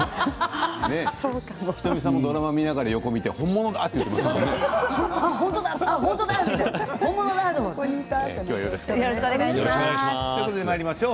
仁美さんもドラマを見ながら横を見て本物だと言っていましたね。